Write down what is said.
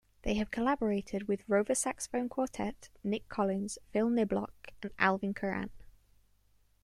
They have collaborated with Rova Saxophone Quartet, Nick Collins, Phill Niblock, and Alvin Curran.